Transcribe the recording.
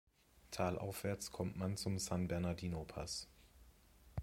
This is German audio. Talaufwärts kommt man zum San-Bernardino-Pass.